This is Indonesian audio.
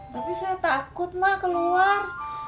tapi saya takut mah keluar